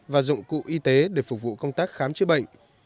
và dụng cụ y tế để phục vụ công tác khám chữa bệnh